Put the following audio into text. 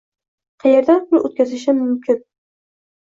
Qayerdan pul o'tkazishim mumkin?